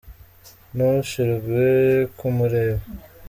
Ntushirwe kumureba.